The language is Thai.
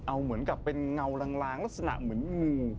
เอาเหมือนกับเป็นเงาลางลักษณะเหมือนงู